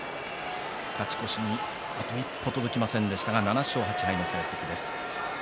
勝ち越しにあと一歩届きませんでしたが７勝８敗の成績です。